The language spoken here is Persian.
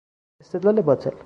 استدلال باطل